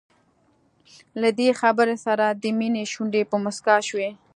له دې خبرې سره د مينې شونډې په مسکا شوې.